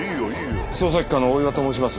捜査一課の大岩と申します。